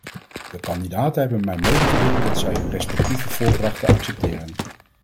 De kandidaten hebben mij medegedeeld dat zij hun respectieve voordrachten accepteren.